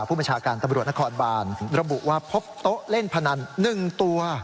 ผู้บัญชาการตำรวจนครบานระบุว่าพบโต๊ะเล่นพนัน๑ตัว